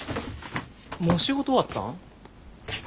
もう仕事終わったん？